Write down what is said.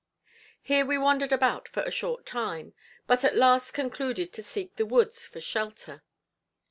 Here we wandered about for a short time, but at last concluded to seek the woods for shelter.